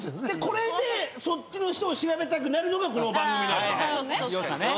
これでそっちの人を調べたくなるのがこの番組の良さ。